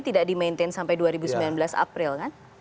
tidak dimaintain sampai dua ribu sembilan belas april